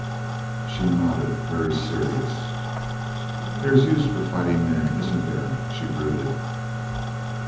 She nodded, very serious. "There is a use for fighting men, isn't there?" she brooded.